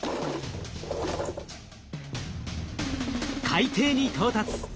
海底に到達！